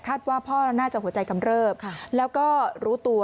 ว่าพ่อน่าจะหัวใจกำเริบแล้วก็รู้ตัว